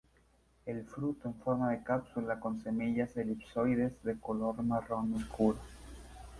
El fruto en forma de cápsula con semillas elipsoides de color marrón oscuro.